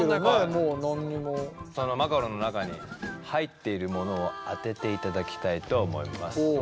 そのマカロンの中に入っているものを当てていただきたいと思います。